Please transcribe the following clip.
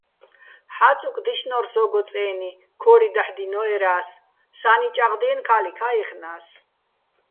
ჰ̦ა́წუკ დისნო́რ სო́გო წე́ნი, ქო́რი დაჰ̦ დინოერა́ს, სა́ნი ჭაღდიენო̆, ქა́ლიქა́ ჲეხნა́ს.